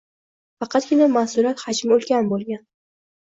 faqatgina mas’uliyat hajmi ulkan bo‘lgan